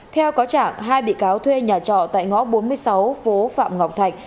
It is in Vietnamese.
theo cáo trạng hai bị cáo thuê nhà trọ tại ngõ bốn mươi sáu phố phạm ngọc thạch